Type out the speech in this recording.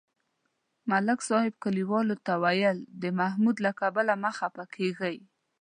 ملک صاحب کلیوالو ته ویل: د محمود له کبله مه خپه کېږئ.